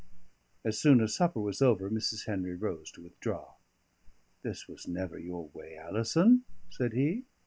As soon as supper was over, Mrs. Henry rose to withdraw. "This was never your way, Alison," said he.